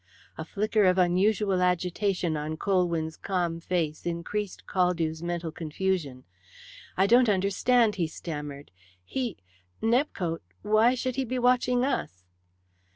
A flicker of unusual agitation on Colwyn's calm face increased Caldew's mental confusion. "I don't understand," he stammered. "He Nepcote why should he be watching us?"